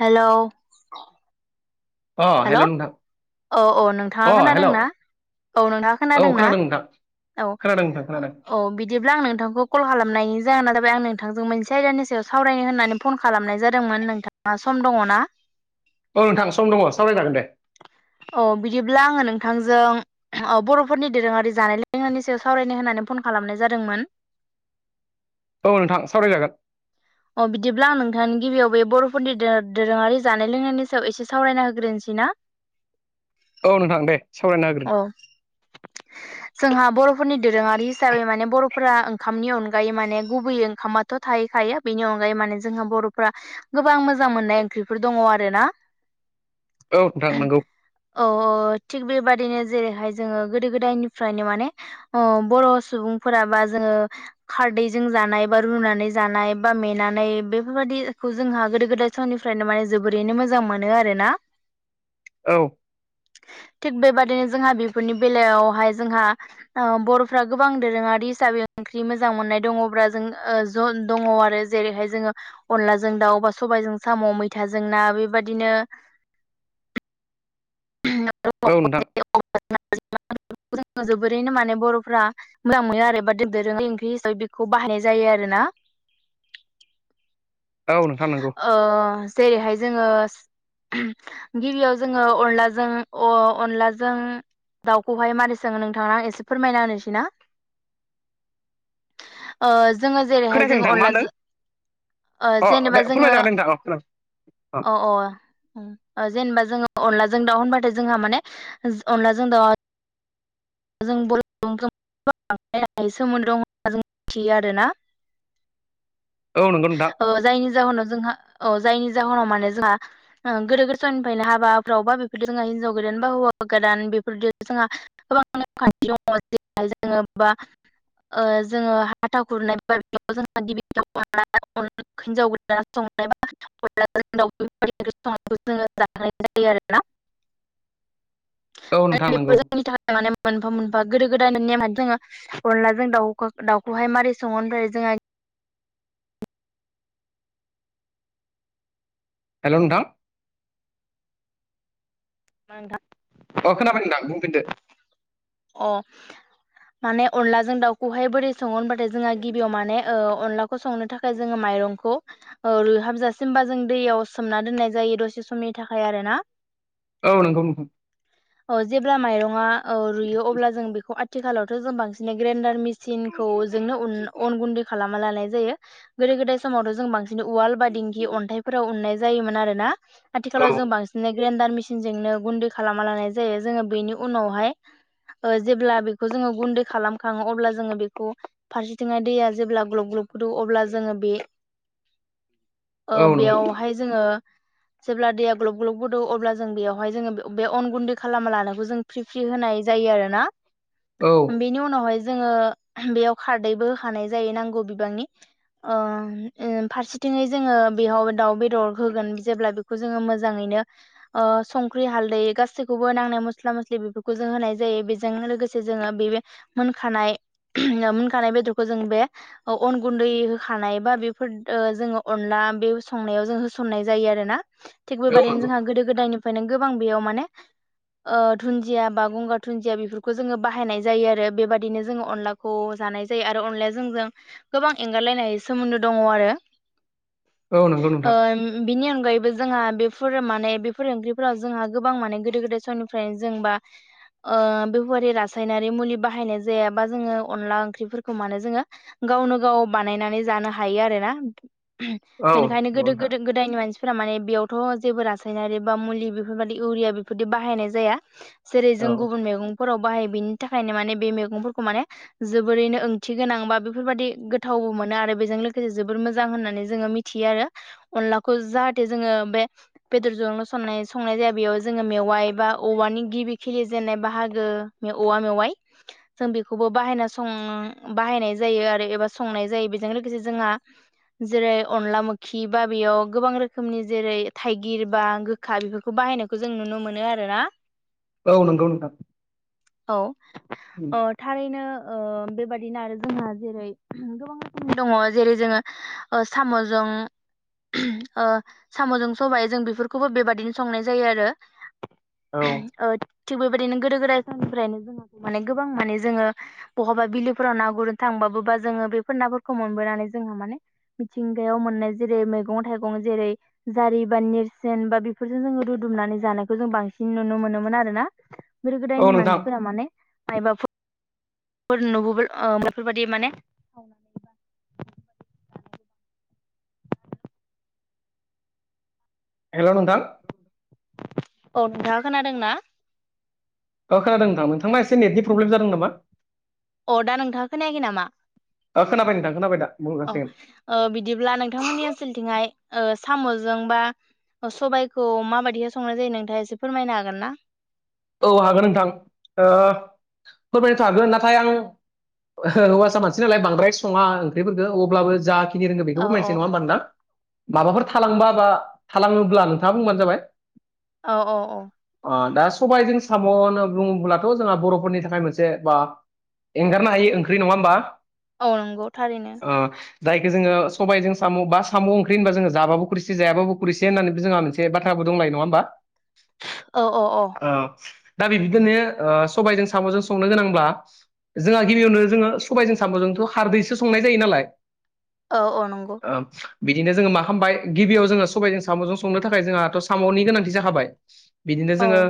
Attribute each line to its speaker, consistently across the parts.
Speaker 1: हेल'
Speaker 2: अ hello नोंथां।
Speaker 1: औ औ नोंथाङा
Speaker 2: अ हेल' औ
Speaker 1: खोनादोंना औ नोंथाङा खोनादोंना?
Speaker 2: खोनादों नोंथां
Speaker 1: औ
Speaker 2: खोनादों नोंथां खोनादों
Speaker 1: औ बिदिब्ला आं नोंथांखौ कल खालामनायनि जाहोना जाबाय आं नोंथांजों मोनसे आयदानि सायाव सावरायनो होननानै फन खालामनाय जादोंमोन नोंथाङा सम दङना? [inaudible]
Speaker 2: औ नोंथां सम दङ सावरायजागोन दे।
Speaker 1: अह बिदिब्ला आङो नोंथांजों बर'फोरनि दोरोङारि जानाय लोंनायनि सायाव सावरायनो होनानै फन खालामनाय जादोंमोन।
Speaker 2: औ नोंथां सावरायजागोन।
Speaker 1: अ बिदिब्ला आं नोंथांनि गिबियाव बे बर'फोरनि दोरो दोरोङारि जानाय लोंनायनि सायाव एसे सावरायना होग्रोनोसै। ना
Speaker 2: औ नोंथां दे सावरायना होग्रो।
Speaker 1: औ जोंहा बर'फोरनि दोरोङारि हिसाबै माने बर' फोरा ओंखामनि अनगायै माने गुबैयै ओंखामाथ' थाहैखायो। बेनि अनगायै माने जोंहा बर'फ्रा गोबां मोजां मोननाय ओंख्रिफोर दङ आरोना।
Speaker 2: औ नोंथां नोंगौ।
Speaker 1: औ औ थिग बेबादिनो जेरैहाय जोङो गोदो गोदायनिफ्रायनो माने अ बर' सुबुंफोरा बा जों खारदैजों जानाय बा रुनानै जानाय बा मेनानै बेफोरबायाददिखौ जोंहा गोदो गोदाय समनिफ्रायनो माने जोबोरैनो मोजां मोनो आरोना। [inaudible]
Speaker 2: औ
Speaker 1: [inaudible] थिग बेबादिनो जोंहा बेफोरनि बेलायावहाय जोंहा औ बर'फ्रा गोबां दोरोङारि हिसाबै ओंख्रि मोजां मोननाय दङब्ला जों जों दङ आरो। आरो जेरैहाय जोङो अनलाजों दाउ बा सबायजों साम' मैथाजों ना बेबाददिनो [inaudible]
Speaker 2: ओ नोंथां।
Speaker 1: [unintelligible] [unintelligible] जों जोबोरैनो माने बर'फ्रा मोजां मोनयो आरो एबा दोरोङ ओंख्रि हिसाबै बेखौ बाहायनाय जायो आरो। आरो ना
Speaker 2: औ नोंथां नंगौ
Speaker 1: ओ जेरैहाय जोङो गिबियाव जोङो अनला जों अनलाजों दाउखौहाय मान सो नोंथां एसे फोरमायना होनोसैना। जोङो जेरैहाय
Speaker 2: खोनायाखै
Speaker 1: जोङो
Speaker 2: नोंथां मा होनदों
Speaker 1: अनलाजो
Speaker 2: अ दे
Speaker 1: जेनेबा जोङो
Speaker 2: फोरमायजागोन दे नोंथां अ खोनादों
Speaker 1: अ अ ओ जेनेबा जोङो अनलाजों दाउ होनबाथाय जोंहा माने अनलाजों दाउआ जों सोमोन्दो होनना जों मिथियो आरोना।
Speaker 2: ओ नंगौ नोंथां।
Speaker 1: ओ जायनि जाहोनाव जोंहा औ जायनि जाहोनाव माने जोंहा गोदो गोदोनिफ्रायनो हाबाफ्राव बा बेफोर जों हिनजाव गोदान बा हौवा गोदान बेफोरजों जोंहा गोबां नेम खान्थि दङ जेरैहाय जोङो बा जोङो हाथा खुरनाय [unintelligible] [inaudible] [inaudible] मोनफा
Speaker 2: औ नोंथां नंगौ
Speaker 1: मोनफा गोदो गोदायनो नेमानो जोङो अनला जों दाउखो दाउखो हाय मारै सङो ओनफ्राय जोंहा
Speaker 2: हेलौ नोंथां
Speaker 1: नोंथा
Speaker 2: अ खोनाबाय नोंथां बुंफिनदो।
Speaker 1: अ माने अनलाजों दाउखौहाय बोरै सङो होनबाथाय जोंहा गिबियाव माने ओ अनलाखौ संनो थाखाय जोङो माइ माइरंखौ ओ रुइहाबजासिम बा जों दैयाव सोमोनना दोननाय जायो दसे समनि थाखाय आरोना।
Speaker 2: औ नोंगौ नोंथां।
Speaker 1: अ जेब्ला माइरंआ ओ रुयो अब्ला जों बेखौ आ थिखालावथ' जों बांसिनै ग्रेडार मिसिनखौ जोंनो उन अन गुन्दै खालामना लानाय जायो। गोरा गोदो गोदाय समावथ' जों बांसिन उवाल बा दिंखि अन्थाइफोराव उननाय जायोमोन आरो ना।
Speaker 2: औ
Speaker 1: आथिखालाव जों बांसिनै ग्रेनडार मेसिनजोंनो गुन्दै खालामा लानाय जायो जोङो बेनि उनावहाय ओ जेब्ला बेखौ जोङो गुन्दै खालाम खाङो अब्ला जोङो बेखौ फारसेथिङाय दैया जेब्ला ग्लब ग्लब फुदु अब्ला जोङो बे ओ
Speaker 2: औ नंगौ नोंथां
Speaker 1: बेयावहाय जोङो जेब्ला दैया ग्लब ग्लब गदौ अब्ला जों बेयावहाय जोङो बे अन गुन्दै खालामा लानायखौ जों फ्रि फ्रि होनाय जायो आरोना।
Speaker 2: औ
Speaker 1: बेनि उनावहाय जोङो बेयाव खारदैबो होखानाय जायो नांगौ बिबांनि। अ ओ फारसे थिङै जोडो बेहाव दाउ बेदर होगोन जेब्ला बेखौ जोङो मोजाङैनो ओ संख्रि हाल दै गासै खौबो नांनाय मस्ला मस्लि बेफोरखौ जों होनाय जायो बेजोंनो लोगोसे जोङो बे बे मोनखानाय [unintelligible] मोनखानाय बेदरखौ जों बे ओ अन गुन्दै होखानाय बा बेफोर ओ जोङो अनला आ बे संनायाव जों होसननाय जायो आरो ना। थिग
Speaker 2: औ
Speaker 1: बेबादिनो
Speaker 2: नंगौ
Speaker 1: जोंहा गोदो गोदायनिफ्रायनो गोबां बेयाव माने [inaudible] ओ धुन्दिया बा गंगार धुन्दिया बेफोरखौ जोङो बाहायनाय जायो आरो बेबादिनो जोङो अनलाखौ जा नाय जायो आरो अनलाया जोंजों गोबां एंगारलायनो हायै सोमोन्दो दङ आरो।
Speaker 2: औ नंगौ नोंथां
Speaker 1: ओम बिनि अनगायैबो जोंहा बे फोर माने बेफोर ओंख्रिफोराव जोंहा गोबां माने गोदो गोदाय समनिफ्राय जोंबा ओ बेफोरबादि रासायनारि मुलि बाहायनाय जाया बा जोङो अनला ओंख्रिफोरखौ मानो जोङो गावनो गाव बानायनानै जानो हायो आरोना।
Speaker 2: औ
Speaker 1: बेनिखायनो
Speaker 2: नंगौ
Speaker 1: गोदो
Speaker 2: नोंथां
Speaker 1: गोदो गोदायनि मानसि फोरा माने बेयावथ' जेबो रासायनारि बा मुलि बेफोरबादि इउरिया बेफोरदि बाहायनाय जाया। जेरै
Speaker 2: औ
Speaker 1: जों गुबुन मेगं फोराव बाहायो बेनि थाखायनो माने बे मेगंफोरखौ माने जोबोरैनो ओंथि गोनां बा बेफोरबादि गोथाव औ मोनो आरो बेजों लोगोसे जोबोर मोजां होननानै जोङो मिथियो आरो। अनलाखौ जाहाथे जोङो बे बेदरजोंल' संनाय संनाय जाया बेयाव जोङो मेवाइ बा औवानि गिबि खिलिजेननाय बाहागो मे औवा मेवाइ जों बेखौबो बो बाहायना सं बाहायनाय जायो आरो एबा संनाय जायो बेजों लोगोसे जोंहा जेरै अनला मोखि बा बेयाव गोबां रोखोमनि जेरै थाइगिर बा गोखा बेफोरखौ बाहायनाय खौ जों नुनो मोनो आरोना।
Speaker 2: औ नंगौ नोंथां
Speaker 1: औ अ थारैनो ओ बेबादिनो आरो जोंहा जेरै गोबां रोखोमनि दङ जेरै जोङो ओ साम'जों ओ [unintelligible] ओ सामजों सबाइ जों बेफोरखौबो बेबादिनो संनाय जायो आरो
Speaker 2: औ
Speaker 1: ओ थिग बेबायदिनो गोदो गोदाय समनिफ्रायनो जोङो माने गोबां माने जोङो बहाबा बिलोफोराव ना गुरो थां बाबो बा जोङो बेफोर नाफोरखौ मोनबोनानै जोंहा माने मिथिंगायाव मोननाय जेरै मैगं थाइगं जेरै जारि बा नेरसोन बा बेफोरजों जोङो रु दुमनानै जानायखौ जों बांसिन नुनो मोनोमोन आरो ना। गोदो
Speaker 2: औ
Speaker 1: गोदायनि
Speaker 2: नोंथां
Speaker 1: मानसिफोरा माने मायबाफो फोर नुबो ओ बेफोरबादि माने [inaudible]
Speaker 2: हेल' नोंथां।
Speaker 1: औ नोंथाङा खोनादों ना?
Speaker 2: औ खोनादों नोंथां नोंथांना एसे नेटनि
Speaker 1: अ
Speaker 2: प्रब्लेम जादों नामा?
Speaker 1: दा नोंथाङा खोनायाखै नामा?
Speaker 2: ओ खोनाबाय नोंथां खोनाबाय दा बुंनो
Speaker 1: अ
Speaker 2: हासिगोन
Speaker 1: ओ बिदिब्ला नोंथांमोननि ओनसोलथिंहाय ओ साम'जों बा सबाइखौ माबायदिहाय संनाय जायो नोंथाङा एसे फोरमायनो हागोन ना?
Speaker 2: औ हागोन नोंथां ओ फोरमायनोथ' हागोन नाथाय आं हौवासा मानसि नालाय बांद्राय सङा ओंख्रिफोरखो अब्लाबो जा खिनि रोङो बेखौ
Speaker 1: औ औ
Speaker 2: फोरमायनिसै नङा होमबा नोंथां? माबाफोर थालांबा बा थालाङोब्ला नोंथाङा बुंबानो जाबाय।
Speaker 1: औ औ औ
Speaker 2: ओ दा सबायजों साम' होनना बुङोब्लाथ' जोंहा बर'फोरनि थाखाय मोनसे बा एंगारनो हायि ओंख्रि नङा होमबा?
Speaker 1: औ नंगौ थारैनो।
Speaker 2: जायखो जोङो सबायजों साम' बा साम' ओंख्रि होनबा जोङो जाबाबो खुरिसे जायाबो खुरिसे होननानैबो जोंहा मोनसे बाथ्रा फाव बो दंलायो नङा होमबा?
Speaker 1: औ औ औ
Speaker 2: ओ दा बिबिदिनो ओ सबायजों साम'जों संनो गोनांब्ला जोंहा गिबियावनो जोङो सबायजों साम'जोंथ' खारदैसो संनाय जायो नालाय?
Speaker 1: औ औ नंगौ
Speaker 2: ओ बिदिनो जोङो मा खामबाय गिबियाव जोङो सबायजों साम'जों संनो थाखाय जोंहाथ' साम'नि गोनांथि जाखाबाय। बिदिनो
Speaker 1: औ
Speaker 2: जोङो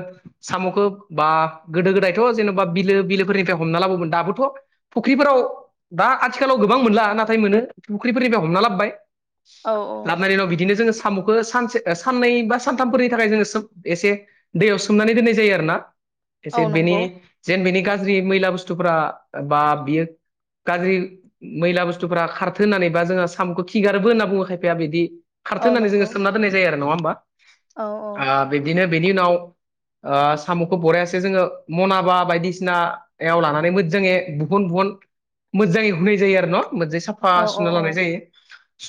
Speaker 2: साम'खो बा गोदो गोदायथ' जेन'बा बिलो बिलोफोरनिफ्राय हमना लाबोमोन दाबोथ' फुख्रिफोराव दा आथिखालाव गोबां मोनला नाथाय मोनो फुख्रिफोरनिफ्राय हमना लाबबाय
Speaker 1: औ औ
Speaker 2: लाबनायनि उनाव बिदिनो जोङो साम'खौ सानसे साननै बा सानथामफोरनि थाखाय जो एसे दैयाव हमनानै दोननाय जायो आरोना
Speaker 1: औ
Speaker 2: एसे बेनि
Speaker 1: नंगौ
Speaker 2: जेन बेनि गाज्रि मैला बुस्थुफोरा बा बियो गाज्रि मैला बुस्थुफोरा खारथो होननानै बा जोहा सामखौ खिगारोबो होनना बुङो खायफाया बिदि खारथो
Speaker 1: औ
Speaker 2: होननानै जोङो
Speaker 1: नंगौ
Speaker 2: सोमना दोननाय जायो आरो नङा होमबा
Speaker 1: औ
Speaker 2: बिब्दिनो बेनि उनाव साम'खौ बरायासो जोङो मनाबा बायदिसिनाव लानानै जोङो बुुन न मोजाङै होनाय जायो आरो ना? मोजांङै साफा
Speaker 1: औ औ
Speaker 2: सुना
Speaker 1: औ
Speaker 2: लानाय जायो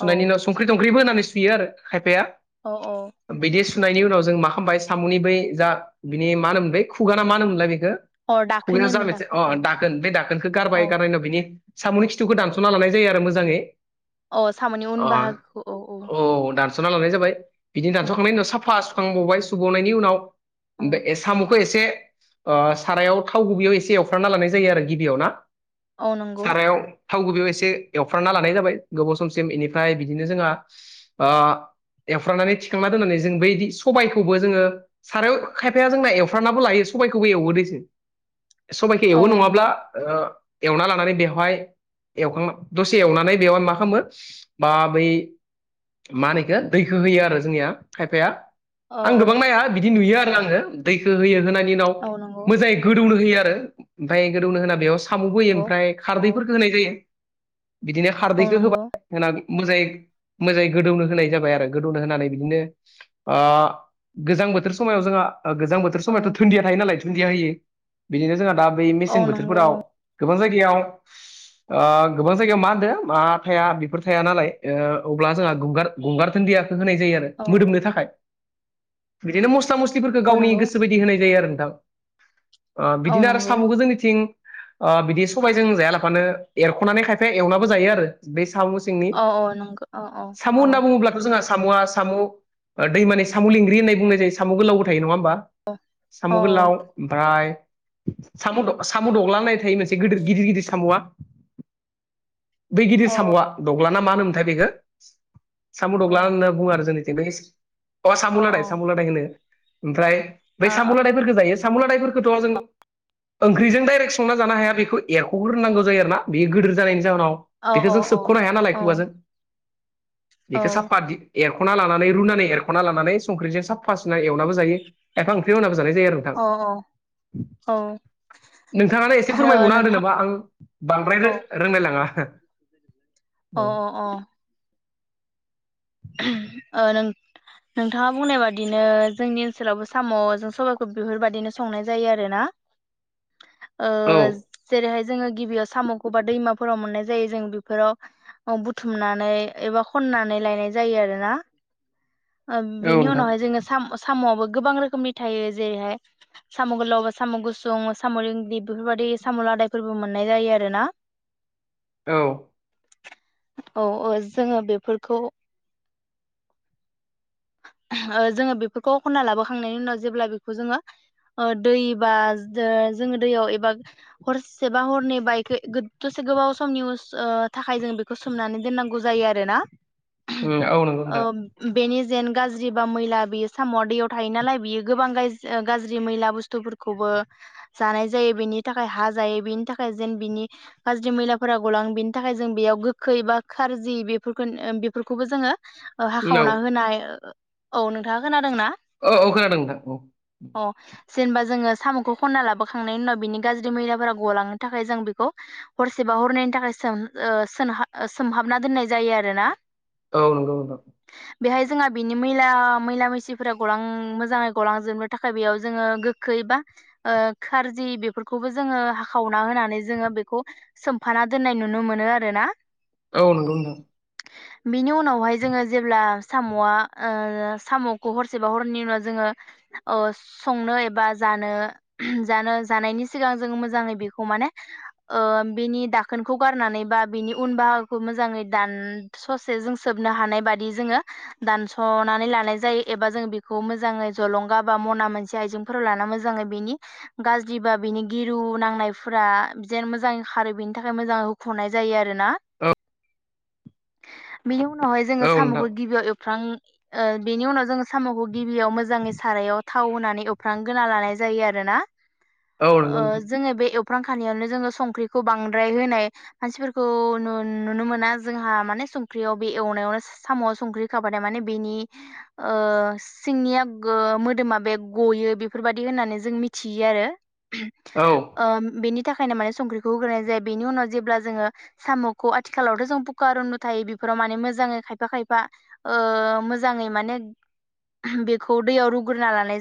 Speaker 1: औ
Speaker 2: उनाव संख्रि थंख्रिबो होनानै सुयो आरो खायफाया
Speaker 1: औ औ
Speaker 2: बिदि सुनायनि उनाव जों मा खालामबाय साम'नि बै जा बिनि मा होनोमोन बै खुगाना मा होनोम मोनलाय बेखौ
Speaker 1: अ दाखोन
Speaker 2: खुग्रियाव
Speaker 1: होनो
Speaker 2: जानोसै
Speaker 1: दाखोन
Speaker 2: अ
Speaker 1: औ
Speaker 2: दाखोन बे दाखोनखौ
Speaker 1: औ
Speaker 2: गारबाय गारनाव बिनि साम'नि खिथुखौ दानस'ना लानाय जायो आरो मोजाङै।
Speaker 1: औ साम'नि उन
Speaker 2: अ
Speaker 1: बाहागो औ औ
Speaker 2: दानस'ना लानाय जाबाय बिदिनो
Speaker 1: औ
Speaker 2: दानस'खांनायनि उनाव साफा सुखांबावबाय सुबावनायनि उनाव
Speaker 1: औ
Speaker 2: सामुखौ एसे एसे ओ सारायाव थाव गुबैयाव एसे एवफ्रना लानाय जायो आरो गिबियाव ना?
Speaker 1: आ नंगौ
Speaker 2: सारायाव थाव गुबैयाव एसे एवफ्राना लानाय जाबाय गोबाव समसिम बेनिफ्राय बिदिनो जोंहा ओ एवफ्रानानै थिखांना दोननानै जों बैदि सबायखौबो जोङो सारायाव खायफाया जोंना एवफ्रानाबो लायो सबायखौबो एवो दे। सबायखौ
Speaker 1: औ
Speaker 2: एवो
Speaker 1: नंगौ
Speaker 2: नङाब्ला एवना लानानै बेवहाय एवखां दसे एवनानै बेवहाय मा खालामो बा बै मा होनोखो दैखो होयो आरो जोंनिया खायफाया।
Speaker 1: औ
Speaker 2: आं
Speaker 1: औ
Speaker 2: गोबां नाया बिदि नुयो आरो आङो दैखौ होयो होनायनि उनाव
Speaker 1: औ नंगौ
Speaker 2: मोजाङै गोदौनो होयो आरो। ओमफ्राय गोदौनो होना बेयाव साम'बो होयो
Speaker 1: नंगौ
Speaker 2: ओमफ्राय
Speaker 1: औ
Speaker 2: खारदैफोरखौ होनाय जायो। बिदिनो
Speaker 1: औ
Speaker 2: खारदैखौ
Speaker 1: नंगौ
Speaker 2: होबाय होना मोजाङै मोजाङै गोदौनो होनाय जाबाय आरो गोदौनो होनानै बिदिनो गोजां बोथोर बोथोर समायाव जोंहा गोजां बोथोर
Speaker 1: औ
Speaker 2: समायावथ' दुदिया थायो नालायुन्दिया होयो बिदिनो जोंहा दा बे
Speaker 1: औ
Speaker 2: मेसें
Speaker 1: नंगौ औ
Speaker 2: बोथोरफोराव गोबां जायगायाव गोबां जायगायाव मा होनदों मा थाया बेफोर थाया नालाय अब्ला जोंहा गगार गंगार थोनन्दिया होनाय जायो आरो
Speaker 1: औ
Speaker 2: मोदोमनो थाखाय बिदिनो मस्ला मस्लिफोरखौ
Speaker 1: औ
Speaker 2: गावनि
Speaker 1: नंगौ
Speaker 2: गोसो बायदि होनाय जायो आरो नोंथां
Speaker 1: औ
Speaker 2: बिदिनो आरो
Speaker 1: नंगौ
Speaker 2: साम'खौ जोंनिथिं बिदि सबायजों जाया लाफानो एरख'नानै खायफाया एवनाबो जायो आरो बे सामु सिंनि
Speaker 1: औ औ नंगौ औ औ
Speaker 2: सामु
Speaker 1: औ
Speaker 2: होनना बुङोब्लाथ' जोङा साम'आ साम' दैमानि साम' लिंग्रि होननाय बुंनाय जायो साम'खौ लावबो थायो नङा
Speaker 1: औ
Speaker 2: साम' गोलाव ओमफ्राय साम' दगला होननाय थायो मोनसे गिदिर गिदिर गिदिर साम'आ बै गिदिर
Speaker 1: औ
Speaker 2: साम'आ दग्लाना ना होनोमोनथाय बेखौ बेखौ साम' दग्लान होनना बुङो आरो जोंनि अ
Speaker 1: औ
Speaker 2: साम'लादाय साम'लादाय होनो ओमफ्राय
Speaker 1: औ
Speaker 2: बै साम'
Speaker 1: औ
Speaker 2: लादायफोरखौ जायो साम' लादायफोरखौथ' जों ओंख्रिजों डाइरेक्ट संना जानो हाया बेखौ एरख'ग्रोनांगौ जायो आरोना बेयो गिदिर जानायनि जाहोनाव
Speaker 1: औ
Speaker 2: बेखौ जों सोबख'नो हाया नालाय खुवाजों
Speaker 1: औ
Speaker 2: बेखौ साफात एरख'ना लानानै रुनानै एरख'ना लानानै संख्रिजों स साफ फासना एवनाबो जायो एायफा ओंख्रि होननाबो जानाय जायो आरो नोंथां
Speaker 1: औ औ
Speaker 2: नोंथाङानो एसे
Speaker 1: ओ
Speaker 2: फोरमायबावना होदो
Speaker 1: नोंथां
Speaker 2: नामा आं बांद्राय रोंलायलाङा
Speaker 1: अ
Speaker 2: औ
Speaker 1: अ अ नों नोंथाङा बुंनाय बादिनो जोंनि ओनसोलावबो साम'जों सबाइखौ बेफोरबायदिनो संनाय जायो आरो ना ओ
Speaker 2: औ
Speaker 1: जेरैहाय जोङो गिबियाव सामखौ दैमाफोराव मोननाय जायो जों बेफोराव खननानै एबा बुथुमनानै नानै लायनाय जायो आरोना
Speaker 2: औ
Speaker 1: बेनि
Speaker 2: नोंथां
Speaker 1: उनावहाय जोंङो साम'आबो गोबां रोखोमनि थायो जेरैहाय साम' गोलावबा साम' गुसुं साम' लंगि बेफोरबायदि साम' आदायफोरबो मोननाय जायो आरोना
Speaker 2: औ
Speaker 1: औ औ जोङो बेफोरखौ [inaudible] जोङो बेफोरखौ खनना लाबोखांनायनि उनाव जेब्ला बेखौ जोङो दै बा जोङो दैयाव एबा हरसे बा हरनै बायक दसे गोबाव समनि थाखाय जों बेखौ सोमनानै दोननांगौ जायो आरोना
Speaker 2: औ नंगौ नोंथां
Speaker 1: जेन गाज्रि बा मैला बियो सामआ दैयाव थायो नालाय बियो गोबां गाज्रि मैला बुस्थुफोरखौबो ज जायो बेनि थाखाय हा जायो बेनि थाखाय जेन बिनि गाज्रि मैलाफोरा गलाङो नि थाखाय जों बेयाव गोखै बा खारजि बेफोरखौ बेफोरखौबो जोङो
Speaker 2: उम औ
Speaker 1: हाखावना होनाय औ नोंथाङा खोनादोंना
Speaker 2: औ औ खोनादों नोंथां औ
Speaker 1: अ जेनेबा जोङो साम'खौ खनना लाबोखांनायनि उनाव बिनि गाज्रि मैलाफोरा गलांनो थाखाय जों बेखौ हरसे बावहरनायनि थाखाय सोम सोमहाबना दोननाय जायो आरोना
Speaker 2: औ नंगौ नंगौ
Speaker 1: बेहाय जोंहा बिनि मैला मैला मैसिफोरा गलां मोजाङै गलांजोबनो थाखाय बेयाव जोङो गोखै बा खारजि बेफोरखौबो जोङो हाखावना होनानै जोङो बेखौ सोमफाना दोननाय नुनो नुनो मोनो आरो ना
Speaker 2: औ नंगौ नोथां
Speaker 1: बिनि उनावहाय जोङो जेब्ला साम'आ साम'खौ हरसेबा हरनि उनाव जोङो संनो एबा ज जानो जानो जानायनि सिगां मने दोन खौ गारनानै बा बिनि उन बाहागोखौ मोजाङै दान ससे जों सोबनो हानाय बादि जोङो दानसनानै लानाय जायो एबा जों बेखौ मोजाङै जलंगा बा मना मोनसे आइजेंफोराव लानानै मोजाङै बेनि गाज्रि बा बिनि गिरु नांनायफोरा बि मोजाङै खारो बेनि थाखाय मोजां मोजां होखनाय जायो आरो ना
Speaker 2: औ
Speaker 1: बिनि उनावहाय जोङो
Speaker 2: औ नोंथां
Speaker 1: साम'खौ गियाव एव्रां बेनि उनाव जोङो साम'खौ गिबियाव मोजाङै सारायाव थाव होनानै एवफ्रामना ग्रोना जानाय जायो आरोना औ
Speaker 2: नंगौ नोंथां
Speaker 1: जोंङो अख्रां खालियावनो जोङो संख्रिखौ बांद्राय होनाय मानसिफोरखौ नुनो मोना जोंहा माने संख्रियाव बे एवनायावनो साम' संख्रि खाबाद माने बेनि सिंनिया मोदोमा बे गयो बेफोर बादि होननानै जों मिथियो आरो
Speaker 2: औ
Speaker 1: ओम बेनि थाखायनो माने संख्रिखौ होग्रोनाय जायो बेनि उनाव जेब्ला जोङो साम'खौ आथिखालावथ जों कुखार थायो बे माने मोजाङै खायफा खाया मोजैङै माने बेखौ दैयाव रुगुरना लानाय जा